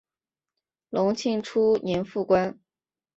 隆庆初年复官。